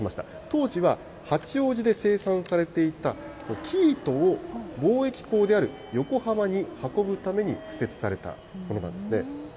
当時は八王子で生産されていた生糸を貿易港である横浜に運ぶために敷設されたものなんですね。